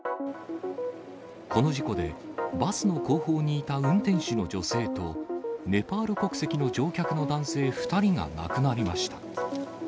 この事故で、バスの後方にいた運転手の女性と、ネパール国籍の乗客の男性２人が亡くなりました。